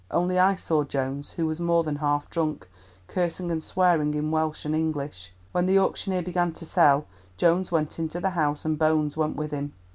Only I saw Jones, who was more than half drunk, cursing and swearing in Welsh and English. When the auctioneer began to sell, Jones went into the house and Bones went with him.